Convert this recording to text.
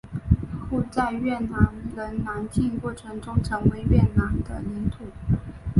后在越南人南进过程中成为越南的领土。